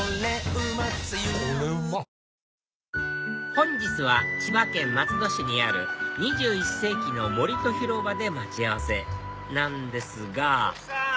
本日は千葉県松戸市にある２１世紀の森と広場で待ち合わせなんですがこひさん！